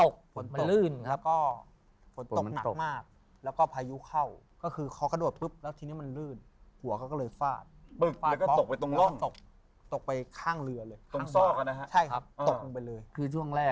เกอดขึ้นยังไง